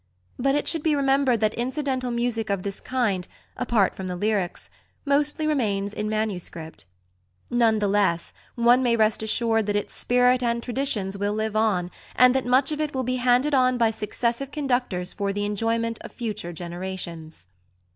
But it should be remembered that incidental music of this kind, apart from the lyrics, mostly remains in MS. None the less, one may rest assured that its spirit and traditions will live on, and that much of it will be handed on by successive conductors for the enjoyment of future generations.